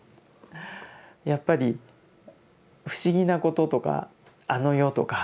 やっぱり不思議なこととかあの世とか。